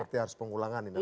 seperti harus pengulangan ini